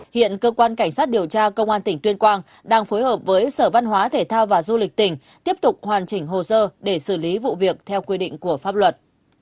hiện cơ quan cảnh sát điều tra công an tỉnh tuyên quang đang phối hợp với sở văn hóa thể thao và du lịch tỉnh tiếp tục hoàn chỉnh hồ sơ để xử lý vụ việc theo quy định của pháp luật